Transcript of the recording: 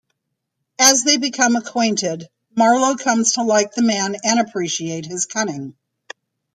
As they become acquainted, Marlowe comes to like the man and appreciate his cunning.